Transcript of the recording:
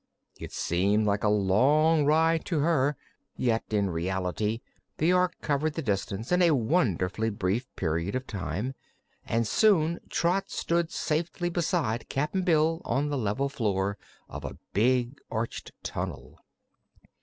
It seemed like a long ride to her, yet in reality the Ork covered the distance in a wonderfully brief period of time and soon Trot stood safely beside Cap'n Bill on the level floor of a big arched tunnel.